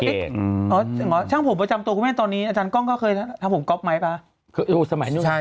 อยู่ให้หรอช่างผมประจำตัวแล้วก็มีตอนนี้อาจารย์ก้องก็เคยทำผมก๊อบไหมมั๊ยป่ะ